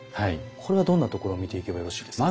これはどんなところを見ていけばよろしいですか。